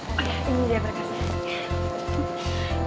ini dia berkasnya